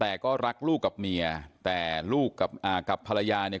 แต่ก็รักลูกกับเมียแต่ลูกกับอ่ากับภรรยาเนี่ย